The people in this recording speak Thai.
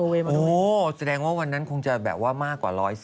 โอ้โหแสดงว่าวันนั้นคงจะแบบว่ามากกว่า๑๑๐